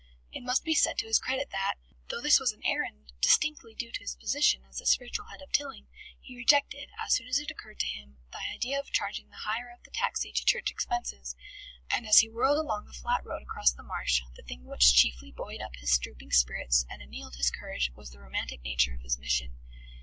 It must be said to his credit that, though this was an errand distinctly due to his position as the spiritual head of Tilling, he rejected, as soon as it occurred to him, the idea of charging the hire of the taxi to Church Expenses, and as he whirled along the flat road across the marsh, the thing which chiefly buoyed up his drooping spirits and annealed his courage was the romantic nature of his mission.